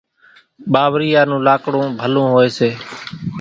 ٻاوريئا نون لاڪڙون ڀلون هوئيَ سي۔